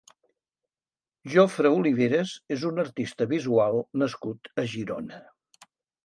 Jofre Oliveras és un artista visual nascut a Girona.